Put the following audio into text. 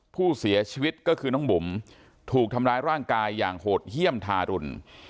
ผู้เสียชีวิตก็คือน้องบุ๋มถูกทำร้ายร่างกายอย่างโหดเยี่ยมทารุณ